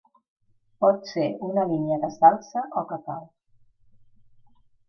Pot ser una línia que s'alça o que cau.